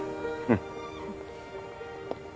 うん。